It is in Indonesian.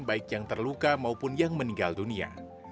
baik yang terluka maupun yang meninggal dunia